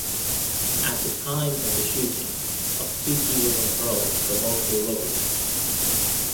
At the time of the shooting Otsuki was on parole for multiple robberies.